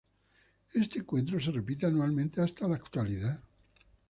Este encuentro se repite anualmente hasta la actualidad.